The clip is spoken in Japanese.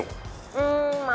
うんまあ